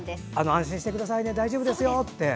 安心してくださいね大丈夫ですよってね。